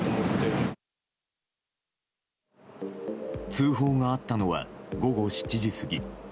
通報があったのは午後７時過ぎ。